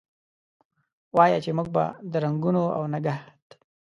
وایه! چې موږ به د رنګونو اونګهت،